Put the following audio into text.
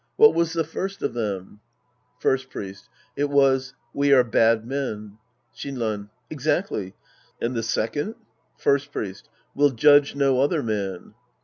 What was the first of them ? First Priest. It was, " We are bad men." Shinran. Exactly. And the second ? First Priest. " We'll judge no other man."